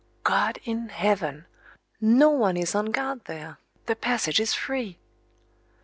God in heaven! No one is on guard there the passage is free!